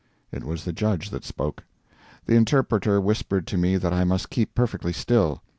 It was the judge that spoke. The interpreter whispered to me that I must keep perfectly still.